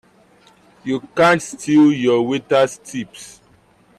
You can't steal your waiters' tips!